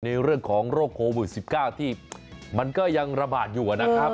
เรื่องของโรคโควิด๑๙ที่มันก็ยังระบาดอยู่นะครับ